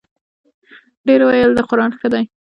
ـ ډېر ویل د قران ښه دی.